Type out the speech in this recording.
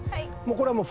これはもう。